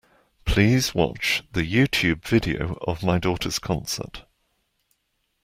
Please watch the Youtube video of my daughter's concert